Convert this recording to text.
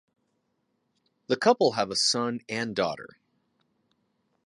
The couple have a son and a daughter.